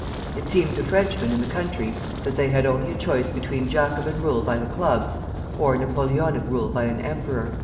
It seemed to Frenchmen in the country that they had only a choice between Jacobin rule by the clubs, or Napoleonic rule by an emperor."